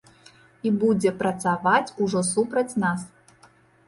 І будзе працаваць ужо супраць нас.